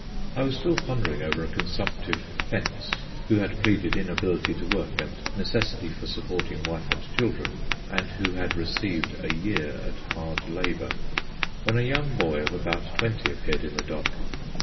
I was still pondering over a consumptive "fence" who had pleaded inability to work and necessity for supporting wife and children, and who had received a year at hard labour, when a young boy of about twenty appeared in the dock.